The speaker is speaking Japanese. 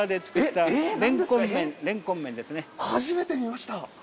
初めて見ました。